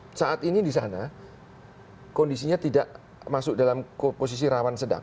nah saat ini di sana kondisinya tidak masuk dalam posisi rawan sedang